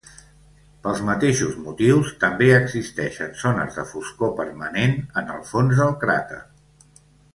Pels mateixos motius, també existeixen zones de foscor permanent en el fons del cràter.